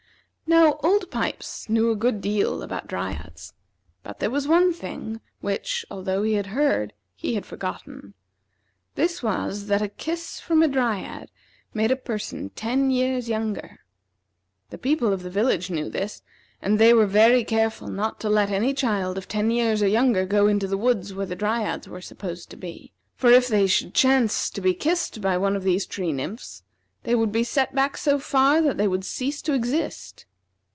Now, Old Pipes knew a good deal about Dryads, but there was one thing which, although he had heard, he had forgotten. This was, that a kiss from a Dryad made a person ten years younger. The people of the village knew this, and they were very careful not to let any child of ten years or younger, go into the woods where the Dryads were supposed to be; for, if they should chance to be kissed by one of these tree nymphs, they would be set back so far that they would cease to exist.